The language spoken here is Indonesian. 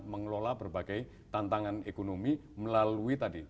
mengelola berbagai tantangan ekonomi melalui tadi